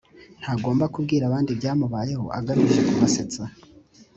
ntagomba kubwira abandi ibyamubayeho agamije kubasetsa